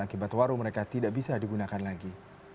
akibat warung mereka tidak bisa digunakan lagi